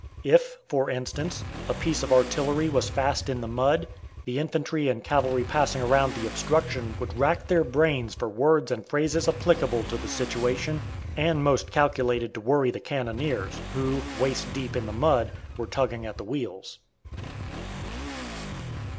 If, for instance, a piece of artillery was fast in the mud, the infantry and cavalry passing around the obstruction would rack their brains for words and phrases applicable to the situation, and most calculated to worry the cannoniers, who, waist deep in the mud, were tugging at the wheels.